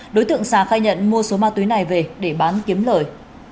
đối tượng sà khai nhận mua số ma túy này về để bán kiếm lời